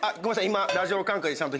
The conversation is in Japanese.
今。